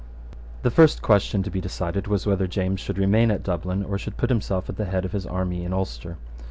The first question to be decided was whether James should remain at Dublin, or should put himself at the head of his army in Ulster.